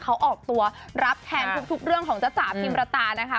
เขาออกตัวรับแทนทุกเรื่องของจ้าจ๋าพิมรตานะคะ